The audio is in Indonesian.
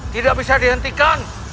tidak bisa dihentikan